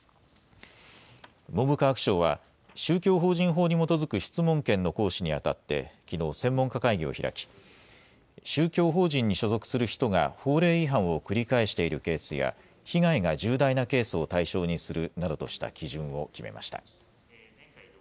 文部科学省は宗教法人法に基づく質問権の行使にあたってきのう専門家会議を開き、宗教法人に所属する人が法令違反を繰り返しているケースや被害が重大なケースを対象にするなどとした基準を決めました。